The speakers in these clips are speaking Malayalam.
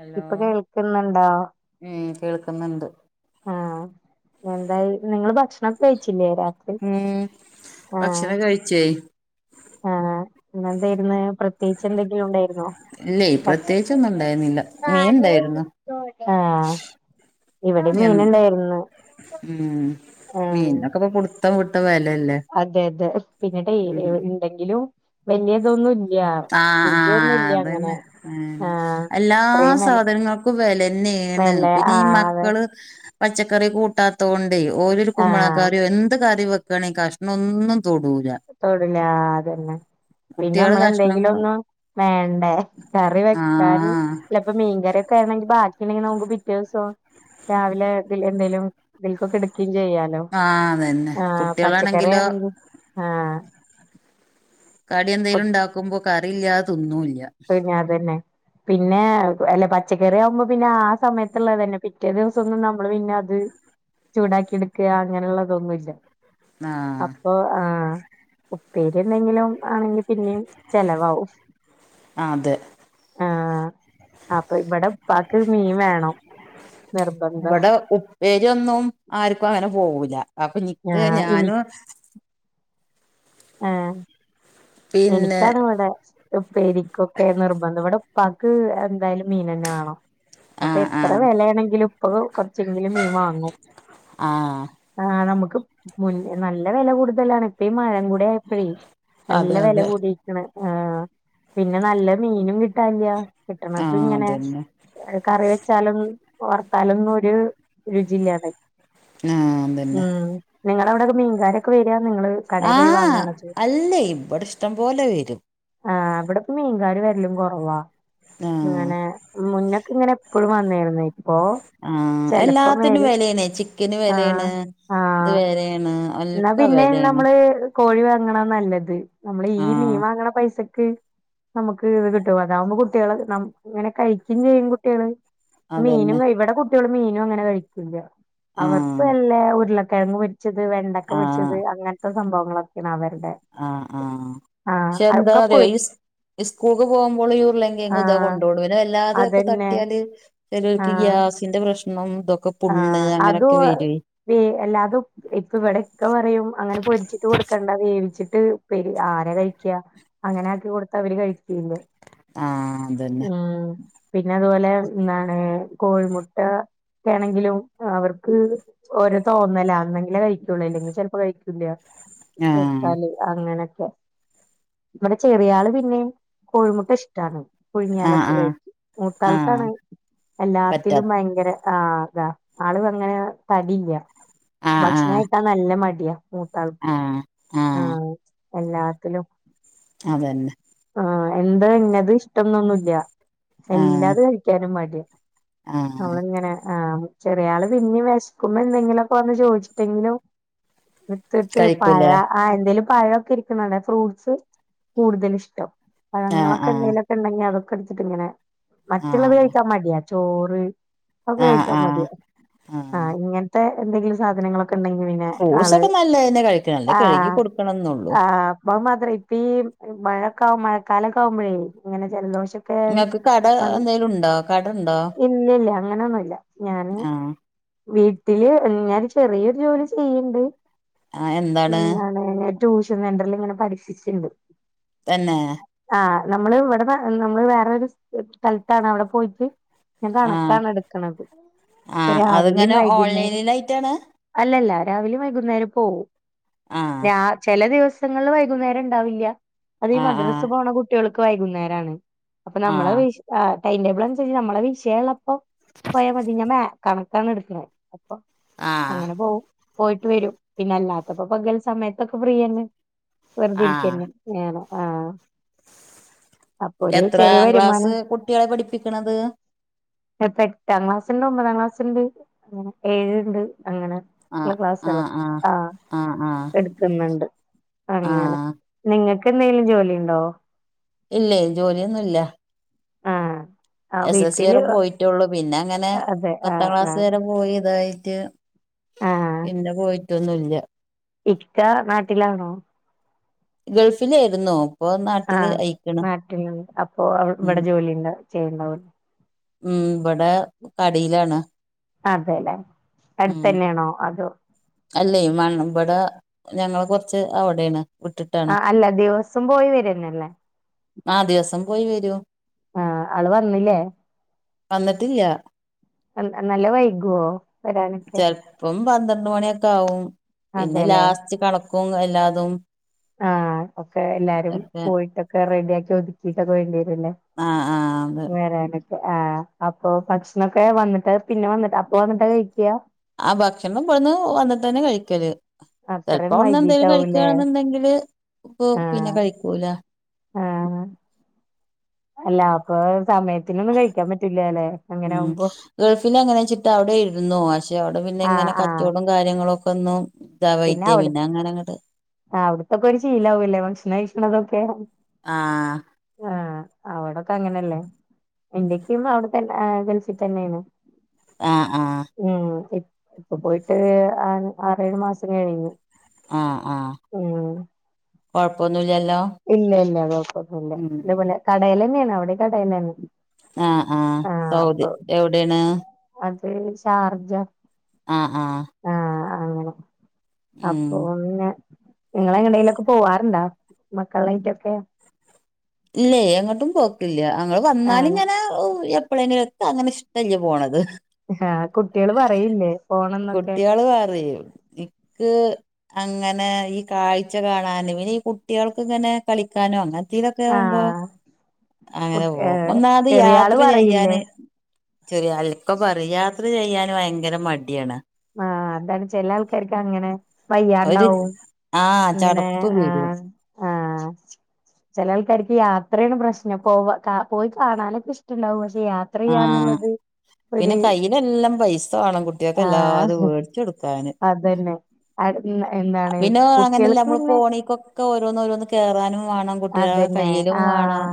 ഹലോ ഇപ്പൊ കേൾക്കുന്നുണ്ടോ? ഉം കേൾക്കുന്നുണ്ട് ആഹ് എന്തായി നിങ്ങള് ഭക്ഷണം കഴിച്ചില്ലേ രാത്രി ആഹ് കഴിച്ചഴി ആഹ് ഇന്നെന്തായിര്ന്ന് പ്രത്യേകിച്ച് എന്തെങ്കിലും ഉണ്ടായിര്ന്നോ? ഇല്ലേ പ്രത്യേകിച്ച് ഒന്നും ഇണ്ടായിന്നില്ല മീൻ ഇണ്ടായിര്ന്നു. ആഹ് ഇവിടെ എൻ മീനുണ്ടായിരുന്നു ഉം ആഹ് മീൻനൊക്കെപ്പ പുട് ത്തം വിട്ട വെലല്ലേ? അതെ അതെ പിന്നീടെ ഇണ്ടെങ്കിലും വലിയതൊന്നും ഇല്ല ആഹ് ആഹ് രുചിയൊന്നുംല്ല അങ്ങനെ അതന്നെ ആഹ് എല്ലാ ഇത്രയും വെല സാധനങ്ങള ക്കും വെലന്നേണ്. വെല പിന്നെ ഈ ആഹ് അതെ മക്കള് പച്ചക്കറി കൂട്ടാത്തോണ്ടേ ഓലൊരു ആഹ് കുമ്മളക്കറി എന്ത് കറി വെ ക്കാണെങ്കി കഷ്ണ ഒന്നും തൊടൂല. തൊട്ങ്ങാതെന്നെ പിന്നെ കുട്ടികള് അമ്മള എന്തെങ്കിലും കഷ്ണങ്ങള് ഒന്ന് വേണ്ടേ കറി വെക്കാന് ആഹ് ഇപ്പ മീൻ കറിയൊക്കെ ആണെങ്കി ബാക്കിണ്ടെങ്കി നമുക്ക് പിറ്റേസോ രാവിലെ ഇതില് എന്തേലും ഇതിൽക്കൊക്കെ ഇട്ക്കിം ചെയ്യാ ആഹ് അതന്നെ ആഹ് പച്ചക്കറി കുട്ടികളാണെങ്കിലോ ആണെങ്കി ആഹ് കടി എന്തേലും ഇണ്ടാക്കുമ്പൊ കറിയില്ലാതെ തിന്നുല്ല [unintelligible] തന്നെ പിന്നെ അല്ലെ പച്ചക്കറി ആവ്മ്പം പിന്നെ ആ സമയത്ത്ള്ളതന്നെ പിറ്റേ ദിവസൊന്നും നമ്മള് പിന്നെ അത് ചൂടാക്കി ഇട്ക്ക അങ്ങനെയുള്ളതൊന്നുല്ല ആഹ് അപ്പൊ ആഹ് ഉപ്പേരി എന്തെങ്കിലും ആണെങ്കി പിന്നിം ചെലവാകും ആഹ് അതെ ആഹ് അപ്പൊ ഇവിടെ പ്പാക്ക് മീൻ വേണം നിർബന്ധ എരു ഒന്നും ആർക്കും അങ്ങനെ പോവൂല്ല അപ്പൊ ഞാ നിക്ക് എനി ഞാനു ഉം പിന്നെ എനിക്കാണ് ഇവടെ ഉപ്പേരിക്കൊക്കെ നിർബന്ധം ഇവിടെപ്പാക്ക് എന്തായാലും മീനന്നെ വേണം അപ്പൊ ആഹ് എത്ര ആഹ് വെലയാണെങ്കിലും ഇപ്പൊ കൊർച്ചെങ്കിലും മീൻ വാങ്ങും ആഹ് ആഹ് നമുക്ക് മു നല്ല വെല കൊട്ത്തുള്ളാണ് ഇപ്പ ഈ മഴം കൂടെ ആയപ്പഴേ നല്ല അതെ വെല അതെ കൂടീക്ക്ണ്. ആ പിന്നെ നല്ല മീനും കിട്ടാല്ല കിട്ടണത് ആഹ് ഇങ്ങനെ അതന്നെ കറി വെച്ചാലും വറുത്താലൊന്നും ഒരു രുചിയില്ലാതെ ആഹ് അതന്നെ ഉം നിങ്ങളവിടൊക്കെ മീൻകാരൊക്കെ വരിയാ നിങ്ങള് കടയിൽ പോയി ആഹ് വാങ്ങാണോ ചെയ്യ അല്ലേ ഇവിടെ ഇഷ്ടം പോലെ വരും ആഹ് ഇവിടിപ്പൊ മീൻകാര് വരലും കുറവാ ആഹ് ഇങ്ങനെ മുന്നക്ക് ഇങ്ങനെ എപ്പോഴും വന്നായിരുന്ന് ഇപ്പോ ആഹ് എല്ലാത്തിനും വിലയാണ് ചിക്കന് ആഹ് വിലയാണ് ഇത് ആഹ് വിലയാണ് എന്നാ ഒക്കെ പിന്നെ വിലയാണ് നമ്മള് കോഴി വാങ്ങണ നല്ലത് നമ്മള് ഈ മീൻ ആഹ് വാങ്ങണ പൈസക്ക് നമ്മുക്ക് ഇത് കിട്ടും അതാവുമ്പോ കുട്ടികള് ഇങ്ങനെ കഴിക്കയും ചെയ്യും കുട്ടികള് മീനും അതന്നെ ഇവിടെ കുട്ടികള് മീനും അങ്ങനെ കഴിക്കൂല്ല അവർക്ക് ആഹ് വല്ല ഉരുളക്കിഴങ്ങ് പൊ - പൊരിച്ചത് വെണ്ടക്ക ആഹ് പൊരിച്ചത് അങ്ങനത്തെ സംഭവങ്ങളൊക്കെയാണ് അവരുടെ ആഹ് ആഹ് ആഹ് പക്ഷേ അതൊക്കെ എന്താന്ന് പൊരി അറിയോ [unintelligible] ഈ സ്കൂൾക്ക് പോകുമ്പോൾ ഉരുളകിഴങ്ങും ഇതാ ആഹ് കൊണ്ട്പോവുള്ളു പിന്നെ അല്ലാതെയൊക്കെ അതന്നെ തട്ടിയാല് ചിലവർക്ക് ഗ്യാസിന്റെ പ്രശ്നം ഇതൊ ആഹ് അതു [unintelligible] ഇപ്പ ഇവിടൊക്കെ പറയും അങ്ങനെ പൊരിച്ചിട്ട് കൊടുക്കണ്ട വേവിച്ചിട്ട് [unintelligible] ആര കഴിക്കാ അങ്ങനെ ആക്കി കൊടുത്ത അവര് കഴിക്കേല്ലേ ആഹ് അതന്നെ ഉം പിന്നെ അതുപോലെ എന്താണ് കോഴിമുട്ട ആണെങ്കിലും അവർക്ക് ഒരോ തോന്നല അന്നെങ്കിലേ കഴിക്കുള്ളൂ ഇല്ലെങ്കിൽ ചിലപ്പോ കഴിക്കില്ല ആഹ് [unintelligible] അങ്ങനൊക്കെ ഇവിടെ ചെറിയാള് പിന്നെയും കോഴിമുട്ട ഇഷ്ടാണ് ആഹ് പുഴിങ്ങിയാലൊക്കെ ആഹ് കഴിക്കും ആഹ് മൂത്താൾക്കാണ് പറ്റാ എല്ലാത്തിലും ഭയങ്കര- ആഹ് അതാ ആളും അങ്ങനെ തടിയില്ല ആഹ് ഭക്ഷണം ആഹ് കഴിക്കാൻ നല്ല മടിയാ മൂത്താൾക്ക് ആഹ് എല്ലാത്തിലും അതന്നെ ആഹ് എന്താ ഇന്നത് ഇഷ്ടന്നൊന്നു ഇല്ല ആഹ് എല്ലാത കഴിക്കാനും മടി ആഹ് അവളിങ്ങനെ ആഹ് ചെറിയ ആള് പിന്നെയും വിശക്കുമ്പോ എന്തെങ്കിലുമൊക്കെ വന്ന് ചോദിച്ചിട്ടെങ്കിലും [unintelligible] കഴിക്കൂല പഴ ആഹ് എന്തേലും പഴൊക്കെ ഇരിക്കുന്ന ഫ്രൂട്ട്സ് കൂടുതല് ഇഷ്ടം ആഹ് പഴങ്ങളൊക്കെ ആഹ് എന്തെങ്കിലും ഉണ്ടെങ്കി അതൊക്കെ എടുത്തിട്ട് ഇങ്ങനെ മറ്റുള്ളത് ആഹ് കഴിക്കാൻ മടിയാ ചോറ് [unintelligible] ആഹ് കഴിക്കാൻ ആഹ് മടിയാ ആഹ് ഇങ്ങനത്തെ എന്തെങ്കിലും സാധനങ്ങളൊക്കെ ഉണ്ടെങ്കിൽ ഫ്രൂട്ട്സ് ഒക്കെ നല്ലതന്നെ കഴിക്കണെ നല്ല കഴുകി കൊടുക്കണന്നുള്ളൂ [unintelligible] ഇപ്പ ഈ മഴക്കാവും മഴക്കാലൊക്കെ ആവുമ്പോഴേ ഇങ്ങനെ ജലദോഷം നിങ്ങൾക്ക് കട [unintelligible] എന്തേലും ഉണ്ടോ കട ഉണ്ടോ ഇല്ലില്ല അങ്ങനൊന്നും ഞാന് ആഹ് വീട്ടില് ഞാൻ ചെറിയൊരു ജോലി ചെയ്യണുണ്ട് എന്താണ് ട്യൂഷൻ സെന്ററിൽ ഇങ്ങനെ പഠിപ്പിക്കാണ് തന്നെ ആഹ് നമ്മള് ഇവിടെ നമ്മള് വേറൊരു സ്ഥലത്താണ് അവിടെ പോയിട്ട് ഞാൻ ആഹ് കണക്കാണ് എടുക്കണത് അപ്പൊ ആഹ് രാവിലെയും അതിങ്ങനെ വൈകുന്നേരം ഓൺലൈനിലായിട്ടാണ് അല്ലല്ല രാവിലെയും വൈകുന്നേരം പോവും ആഹ് രാ ചില ദിവസം ദിവസങ്ങളിൽ വൈകുന്നേരം ഉണ്ടാവില്ല അത് ആഹ് മദ്രസ ആഹ് പോണ കുട്ടികൾക്ക് വൈകുന്നേരാണ് അപ്പൊ നമ്മളെ ആഹ് വി ടൈം ടേബിൾ അനുസരിച്ച് നമ്മള വിഷയ ഉള്ളപ്പൊ പോയാ മതി ഞാൻ മാ കണക്കാണ് എടുക്കുന്നത് അപ്പൊ ആഹ് അങ്ങനെ പോവും പോയിട്ട് വരും പിന്നെ അല്ലാത്തപ്പോ പകല് സമയത്തൊക്കെ ഫ്രീ തന്നെ വെറുതെ ആഹ് ഇരിക്കന്നെ [unintelligible] ആഹ് അപ്പൊ ഒരു ചെറിയ എത്രാം ക്ലാസ് വരുമാനം കുട്ടികളെ പഠിപ്പിക്കണത് [unintelligible] എട്ടാം ക്ലാസ്ണ്ട് ഒമ്പതാം ക്ലാസ്ണ്ട് ഏഴ് ണ്ട് അങ്ങനെ ള്ള ആഹ് ആഹ് ക്ലാസുകളൊക്കെ ആഹ് എടുക്ക്ന്ന്ണ്ട് അങ്ങനെ ആഹ് നിങ്ങക്കെന്തേലും ജോലിണ്ടോ ഇല്ലേ ജോലിയൊന്നുല്ല ആഹ് ആഹ് എസ് എസ് സി വീട്ടില് വരെ പോയിറ്റൊള്ളു പിന്നങ്ങനെ അതെ പത്താം ആഹ് ക്ലാസ് ആഹ് വരെ പോയി ഇതായിറ്റ് ആഹ് പിന്നെ പോയിട്ടൊന്നുല്ല ഇക്ക നാട്ടിലാണോ ഗൾഫിലേയിരുന്നു ആഹ് നാട്ടിലുണ്ട് അപ്പൊ അവ് ഉം ഇവിടെ ജോലി ഉണ്ട ചെയ്യണ്ടാവും ഉം ഇബ്ടെ കടയിലാണ് അതെല്ലേ അടുത്തന്നെയാണോ അതോ അല്ല ഈ മൺ ഇബടെ ഞങ്ങള് കൊറച്ച് അവിടെയാണ് വിട്ടിട്ടാണ് ആഹ് അല്ല ദിവസം പോയി വര്യന്നല്ലേ ആഹ് ദിവസം പോയി വരും ആഹ് ആള് വന്നില്ലേ വന്നിട്ടില്ല എന്ത നല്ല വൈകോ ചെൽപ്പം പന്ത്രണ്ട് മണിയൊക്കാവും പിന്നെ അതെല്ലേ ലാസ്റ്റ് കണക്കും എല്ലാതും ആഹ് ഒക്കെ എല്ലാരും ഒക്കെ പോയിട്ടൊക്കെ റെഡിയാക്കി ഒതുക്കിട്ടൊക്കെ വേണ്ടി വരുല്ലേ ആഹ് ആഹ് വരാനൊക്കെ ആഹ് അപ്പൊ ഭക്ഷണൊക്കെ വന്നിട്ട് പിന്നെ വന്നിട്ട് അപ്പൊ വന്നിട്ടാ കഴിക്ക്യ ആഹ് ഭക്ഷണം ഇബ്ടുന്ന് വന്നിട്ടന്നെ കഴിക്കല് ചെൽപ്പോ അത്രയും ഒന്ന് എന്തെലും വൈകീട്ടാവൂലേ കഴിക്ക്യാണെന്നുണ്ടെങ്കില് ഇപ്പൊ ആഹ് പിന്നെ കഴിക്കൂല ആഹ് അല്ല അപ്പൊ സമയത്തിനൊന്നും കഴിക്കാൻ പറ്റൂല്ലാല്ലെ അങ്ങനാവുമ്പോ ഗൾഫില് അങ്ങനെച്ചിട്ട് അവിടെ ഇരുന്നു പക്ഷെ അവിടെ പിന്നെ ആഹ് ഇങ്ങനെ ആഹ് കച്ചോടോം കാര്യങ്ങളും ഒക്കെന്നു ഇതാവൈറ്റേ പിന്നങ്ങനെ അങ്ങട് ആഹ് അവിടത്തൊക്കെ ഒരു ശീലാവുല്ലേ ഭക്ഷണം കഴിക്ക്ണതൊക്കെ ആഹ് അവിടൊക്കങ്ങനല്ലേ ഇന്റെയിക്കേം അവിടത്തന്നെ ഗൾഫി തന്നേണ് ആഹ് ആഹ് ഉം ഇ ഇപ്പൊ പോയിട്ട് ആറേഴ് മാസം കഴിഞ്ഞു ആഹ് ആഹ് ഇല്ല്യ ഇല്ല കൊഴപ്പൊന്നുല്ല ഉം ഇതേപോലെ കടേലന്നെയാണ് അവിടെ കടേന്നേണ് ആഹ് ആഹ് സൗദി എവിടേണ് അത് ഷാർജ ആഹ് ആഹ് ആഹ് അങ്ങനെ ഉം അപ്പൊ ന്നെ നിങ്ങളെങ്ങടേലൊക്കെ പോവാറുണ്ടാ മക്കളായിട്ടൊക്കെ ഇല്ല്യേ എങ്ങോട്ടും പോക്കില്ല്യ അങ്ങള് ആഹ് വന്നാല്ങ്ങനെ എപ്പഴെങ്കിലൊക്കെ പാങ്ങനെ ഇഷ്ടല്യ പോണത് ആഹ് കുട്ടികള് പറയില്ലേ പോണംന്നൊക്കെ കുട്ടികള് പറയും ഇക്ക് അങ്ങനെ ഈ കാഴ്ച കാണാനും ഇന്നീ കുട്ടികൾക്ക്ങ്ങനെ കളിക്കാനും അങ്ങനത്തെതൊക്കെ ക്കേവുമ്പോ ആഹ് അങ്ങനെ കുട്ടി പോവും ഏഹ് ഒന്നാത് ചെറിയാള് യാത്ര പറയില്ലേ ചെയ്യാന് ചെറിയാൾക പറയാത്തത് ചെയ്യാന് ഭയങ്കര മടിയാണ് ആഹ് അതാണ് ചെല ആൾക്കാർക്ക് അങ്ങനെ ഒരു വയ്യാണ്ടാവും ആഹ് ഇങ്ങനേ ചടപ്പ് വരും ആഹ് ആഹ് ചെല ആൾക്കാർക്ക് യാത്രേണ് പ്രശ്നം പോവ പോയി കാണാനൊക്കെ ഇഷ്ട്ടണ്ടാവും പക്ഷെ യാ ആഹ് പിന്ന കയ്യിലല്ലം പൈസ വാണം കുട്ടീക്കെല്ലാ ത് വേട്ച്ചെടുക്കാന് അതെന്നെ അത് ഇന്ന് എന്ന് പിന്ന അങ്ങനല്ലെ നമ്മ പോണിക്കൊക്കെ ഓരോന്ന് ഓരോന്ന് കേറാനും വാണം കുട്ടി അതന്നെ ആഹ്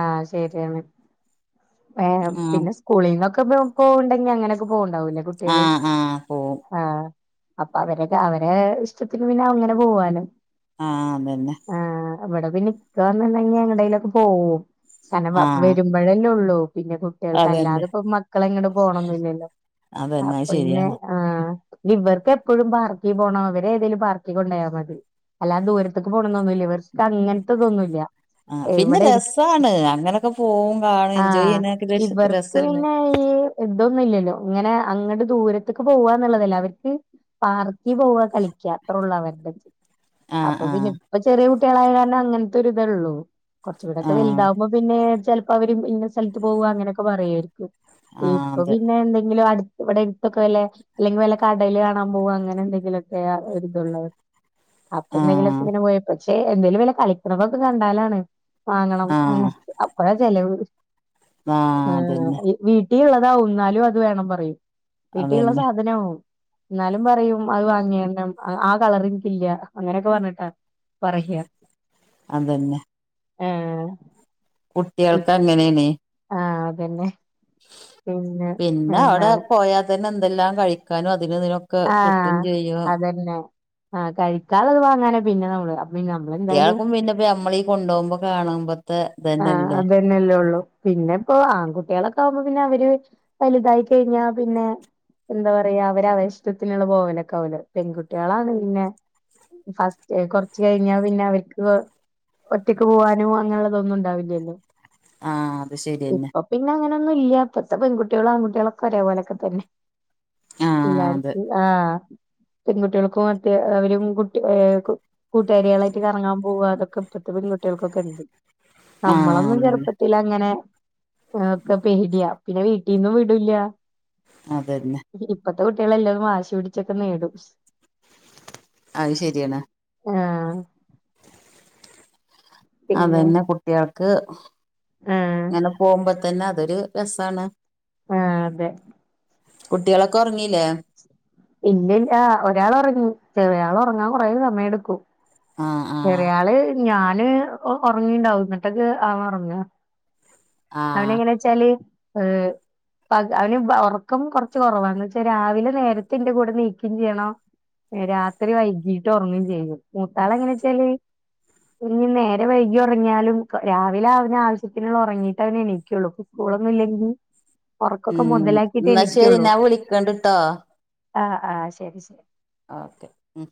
ആഹ് ശരിയാണ് ഏഹ് ആഹ് പിന്ന സ്കൂളിന്നൊക്ക പോൺണ്ടെങ്കി അങ്ങനൊക്ക പോൺണ്ടാവൂലെ കുട്ട്യേള് ആഹ് ആഹ് പോവും ആഹ് അപ്പൊ അവരെ അവരേ ഇഷ്ടത്തിന് പിന്ന അങ്ങനെ പോവാനൊ ആഹ് അതന്നെ ആഹ് ഇവിടെ പിന്ന ഇക്ക വന്ന്ണ്ടെങ്കി എങ്ങ്ടേലൊക്കെ പോവും കാര്ണം വ ആഹ് വരുമ്പഴല്ലൊള്ളു പിന്നെ കുട്ടീൾക്ക് അതന്നെ അല്ലാതെ ഇപ്പൊ മക്കള എങ്ങ്ടും പോണൊന്നില്ലലൊ അതന്നെ അത് അപ്പൊന്നെ ശരിയാണ് ആഹ് ഇഞി ഇവർക്കെപ്പഴും പാർക്കി പോണം ഇവരെ ഏതേലും പാർക്കി കൊണ്ടോയ മതി അല്ലാ ദൂര്ത്ത്ക്ക് പോണന്നൊന്നില്ല ഇവർക്ക് അങ്ങൻത്തതൊന്നുല്ല ആഹ് പിന്ന രസാണ് അങ്ങനൊക്കെ പോവും കാണും എൻജോയ് ആഹ് ചിയ്യ്ണൊക്കെ രസ ഇവർക്ക് രസല്ലേ പിന്നെ ഈ ഇതൊന്നില്ലലൊ ഇങ്ങനെ അങ്ങ്ട്ട് ദൂരത്ത്ക്ക് പോവാന്നാള്ളതല്ലെ അവർക്ക് പാർക്കി പോവ കളിക്കാ അത്രൊള്ളു അവർക് ആഹ് അപ്പൊ പിന്നെ ആഹ് ഇപ്പ ചെറിയ കുട്ടീളായ കാര്ണം അങ്ങൻത്തൊരി ഇതൊള്ളു കൊറ്ച്ചൂടൊക്ക ആഹ് വല്താവുമ്പൊ പിന്നേ ചെൽപ്പൊ അവര് ഇന്ന സ്ഥൽത്ത് പോവ ഇങ്ങനൊക്ക പറയുവായിര്ക്കും ആഹ് ഇപ്പൊ അതെ പിന്നെ എന്തെങ്കിലും അട് ഇവിടെ എട്ത്തൊക്കെ വല്ലെ അല്ലെങ്കി വല്ല കടല് കാണാ പോക അങ്ങനെ എന്തെങ്കിലൊക്കെ ഒര് ഇതൊള്ളു അപ്പൊ എന്തെങ്കിലൊക്ക ആഹ് ഇങ്ങനെ പോയ പക്ഷേ എന്തേലും വല്ല കളിക്ക്ണതൊക്ക കണ്ടാലാണ് വാങ്ങണം അങ്ങനെ ആഹ് അപ്പഴാ ചെലവ് ആഹ് ആഹാ അതന്നെ വീട്ടി ഇള്ളതാവും ഇന്നാലും അത് വേണം പറയും വീട്ടി ഇള്ള അതന്നെ സാധനാവും ഇന്നാലും പറയും അത് വാങ്ങെണം ആഹ് കളറെ എൻക്കില്ല അങ്ങനൊക്കെ പർഞ്ഞിട്ടാ പറയ്യ അതന്നെ ആഹ് കുട്ടീൾക്ക് അങ്ങനേണെ ആഹ് അതന്നെ പിന്നെ പിന്നെ അവിടെ എന്താണ് പോയാ തന്നെ എന്തെല്ലാം കഴിക്കാനും അതിന് ഇതിനു ആഹ് അതന്നെ ആഹ് കഴിക്കാള്ളത് വാങ്ങാന പിന്ന നമ്മള് പിന്നെ നമ്മളെന്തായാലും കുട്ടീൾക്കും പിന്നപ്പ നമ്മളീ കൊണ്ടുപോകുമ്പൊ കാണുമ്പത്തെ ഇതന്നല്ലെ പിന്നല്ലൊള്ളു പിന്ന ഇപ്പൊ ആൺകുട്ടീളൊക്ക ആവുമ്പൊ പിന്ന അവര് വലുതായി കഴിഞ്ഞ പിന്നെ എന്താ പറയാ അവര് അവര ഇഷ്ടത്തിന്ള്ള പോവലൊക്കവുലെ പെൺകുട്ടീളാണ് പിന്നെ ഫസ്റ്റ് കൊറ്ച്ച് കഴിഞ്ഞാ പിന്നെ അവർക്ക് ഒറ്റക്ക് പൂവാനും അങ്ങനെള്ളതൊന്നും ഇണ്ടാവില്ലല്ലൊ ആഹ് അത് ശരിയെന്നെ പിന്നെ അങ്ങനൊന്നുല്ല്യ ഇപ്പത്തെ പെൺകുട്ട്യാളും ആൺകുട്ട്യാളൊക്ക ഒരേ പോലൊക്ക തന്നെ ആഹ് അതെ എല്ലാർക്കും ആഹ് പെൺകുട്ട്യാൾക്കും മറ്റെ അവരും കുട്ടി ഏഹ് കൂട്ടുകാരിയാളായ്ട്ട് കറങ്ങാ പോവ അതൊക്ക ഇപ്പത്തെ പെൺകുട്ട്യാൾക്കൊക്കണ്ട് ആഹ് നമ്മളൊന്നും അതന്നെ ചെറുപ്പത്തിലങ്ങനെ ഒക്കെ പേടിയാ പിന്നെ വീട്ടിൽന്നും വിടില്ല അതന്നെ ഇപ്പത്തെ കുട്ട്യാളെല്ലതും വാശി പിടിച്ചൊക്കെ നേടും അത് ശരിയാണ് ആഹ് പിന്നെ അതന്നെ കുട്ട്യാൾക്ക് ആഹ് ങ്ങനെ പോവുമ്പോ തന്നെ അതൊരു രസാണ് ആഹ് അതെ കുട്ട്യാളൊക്കൊ ഒറങ്ങീല്ലേ ഇല്ലില്ല ഒരാളൊറങ്ങി ചെറിയാൾ ഉറങ്ങാൻ കുറേ സമയെടുക്കും ആഹ് ആഹ് ചെറിയാള് ഞാന് ഒറങ്ങിണ്ടാവും ന്നട്ടൊക്കെ അവൊറങ്ങ ആഹ് അവനെങ്ങനെച്ചാല് ഏ പക അവന് ഉറക്കം കൊറച്ച് കൊറവാന്ന്വെച്ചാ രാവിലെ നേരത്തെന്റെ കൂടെ നീക്കയും ചെയ്യണം രാത്രി വൈകീട്ട് ഉറങ്ങും ചെയ്യും മൂത്താളെങ്ങനെച്ചാല് ഇനി നേരം വൈകി ഒറങ്ങിയാലും രാവിലെ അവന് ആവശ്യത്തിനുള്ള ഉറങ്ങിയിട്ടേ അവനെണീക്കുള്ളു സ്കൂളൊന്നുല്ലെങ്കി ഉം ന്നാ ശരി എണീക്കുള്ളൂ ഞാൻ വിളിക്കണ്ട്ട്ടോ ആഹ് ആഹ് ശരി ശരി ഓക്കെ ഉം